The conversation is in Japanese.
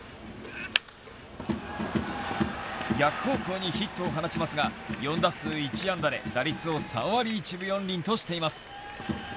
逆方向にヒットを放ちますが４打数１安打で打率を３割１分４厘としています。